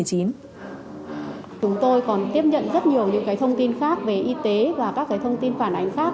chúng tôi còn tiếp nhận rất nhiều những thông tin khác về y tế và các thông tin phản ánh khác